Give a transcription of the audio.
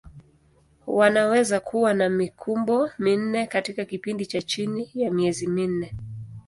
Wanaweza kuwa na mikumbo minne katika kipindi cha chini ya miezi minne.